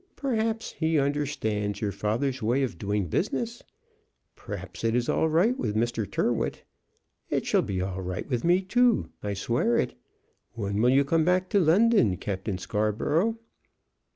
Perhaps he understands your father's way of doing business. Perhaps it is all right with Mr. Tyrrwhit. It shall be all right with me too; I swear it. When will you come back to London, Captain Scarborough?"